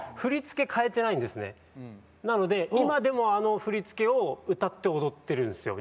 なので今でもあの振り付けを歌って踊ってるんですよ